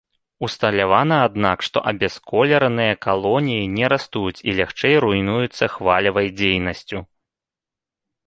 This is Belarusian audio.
Усталявана, аднак, што абясколераныя калоніі не растуць і лягчэй руйнуюцца хвалевай дзейнасцю.